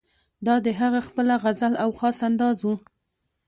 دا د هغه خپله غزل او خاص انداز وو.